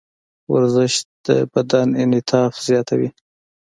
ورزش د بدن انعطاف زیاتوي.